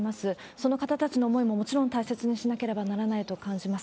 その方たちの思いももちろん大切にしなければならないと感じます。